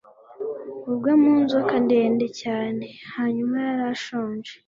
ubwe mu nzoka ndende cyane. hanyuma yarashonje